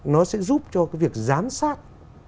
nó sẽ giúp cho việc giám sát